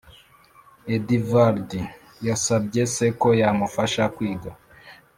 Edvard yasabye se ko yamufasha kwiga